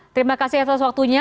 terima kasih atas waktunya